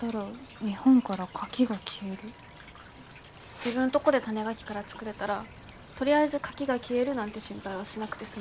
自分とごで種ガキから作れたらとりあえずカキが消えるなんて心配はしなくて済むでしょ？